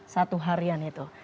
satu harian itu